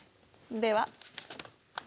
では。